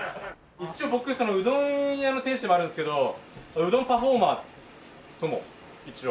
一応僕うどん屋の店主でもあるんですけどうどんパフォーマーとも一応。